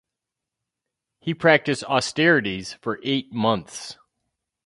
He practised austerities for eight months.